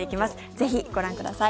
ぜひご覧ください。